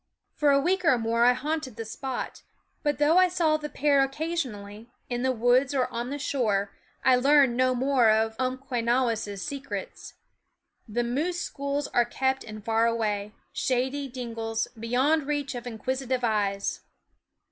For a week or more I haunted the spot; but though I saw the pair occasionally, in the woods or on the shore, I learned no more of Umquenawis' secrets. The moose schools are kept in far away, shady dingles, beyond reach of inquisitive eyes.